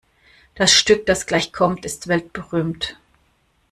Das Stück, das gleich kommt, ist weltberühmt.